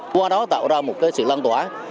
qua đó tạo ra một sự lan tỏa